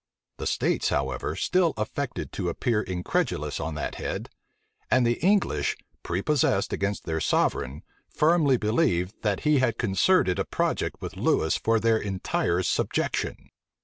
The states, however, still affected to appear incredulous on that head; [*] and the English, prepossessed against their sovereign, firmly believed, that he had concerted a project with Lewis for their entire subjection.